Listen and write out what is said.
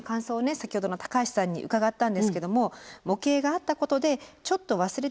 先ほどの橋さんに伺ったんですけども「模型があったことでちょっと忘れていたことを思い出す。